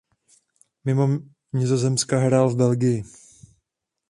Mimo Nizozemska hrál v Belgii.